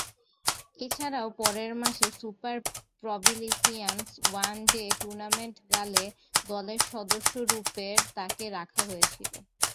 এছাড়াও, পরের মাসে সুপার প্রভিন্সিয়াল ওয়ান ডে টুর্নামেন্টে গালে দলের সদস্যরূপে তাকে রাখা হয়েছিল।